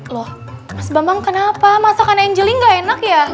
loh mas bambang kenapa masakan angelink gak enak ya